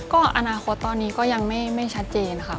ก็อนาคตตอนนี้ก็ยังไม่ชัดเจนค่ะ